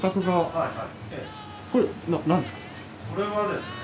これはですね